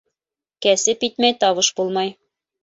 Кәсеп итмәй табыш булмай.